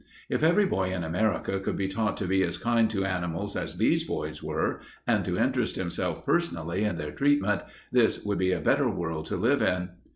If every boy in America could be taught to be as kind to animals as these boys were, and to interest himself personally in their treatment, this would be a better world to live in.